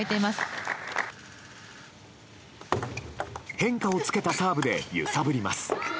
変化をつけたサーブで揺さぶります。